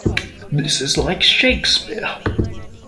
This is like Shakespeare!